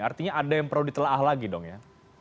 artinya ada yang perlu ditelah lagi dong ya